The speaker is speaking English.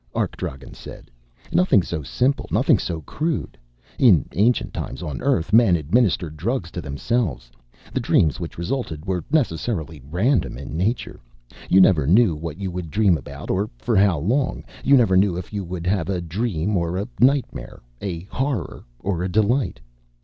Arkdragen said. "Nothing so simple, nothing so crude. In ancient times on Earth, men administered drugs to themselves. The dreams which resulted were necessarily random in nature. You never knew what you would dream about, or for how long. You never knew if you would have a dream or a nightmare, a horror or a delight.